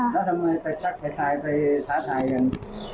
แล้วทำไมไปชักไปทายไปท้าทายกัน